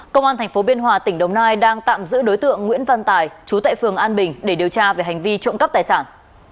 công an tp biên hòa tỉnh đồng nai đang tạm giữ đối tượng nguyễn văn tài chú tại phường an bình để điều tra về hành vi trộm cắp tài sản